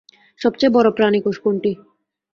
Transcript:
সবচেয়ে বড় প্রাণিকোষ কোনটি?